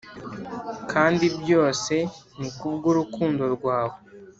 Kandi byose ni kubw' urukundo rwawe.